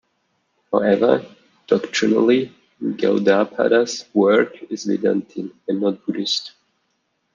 However, doctrinally Gaudapada's work is Vedantin, and not Buddhist.